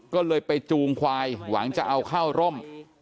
ก็เลยไปจูงควายหวังจะเอาเข้าร่ม